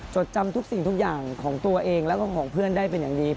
จดจำทุกสิ่งทุกอย่างของตัวเองแล้วก็ของเพื่อนได้เป็นอย่างดี